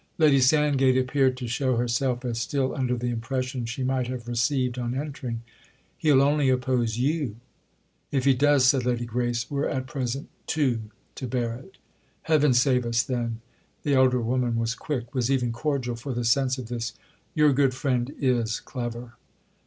Lady Sandgate appeared to show herself as still under the impression she might have received on entering. "He'll only oppose you!" "If he does," said Lady Grace, "we're at present two to bear it." "Heaven save us then"—the elder woman was quick, was even cordial, for the sense of this—"your good friend is clever!"